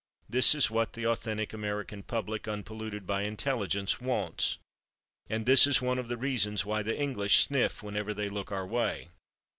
This is what the authentic American public, unpolluted by intelligence, wants. And this is one of the reasons why the English sniff whenever they look our way....